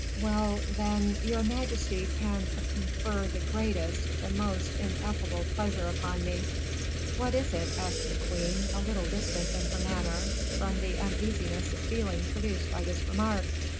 "Well, then, your majesty can confer the greatest, the most ineffable pleasure upon me." "What is it?" said the queen, a little distant in her manner, from an uneasiness of feeling produced by this remark.